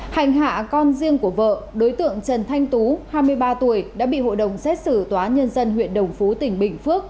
hành hạ con riêng của vợ đối tượng trần thanh tú hai mươi ba tuổi đã bị hội đồng xét xử tòa nhân dân huyện đồng phú tỉnh bình phước